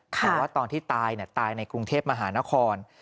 แต่ว่าตอนที่ตายตายในกรุงเทพมหานคร